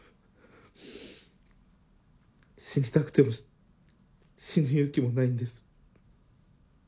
死にたくても死ぬ勇気もないんです。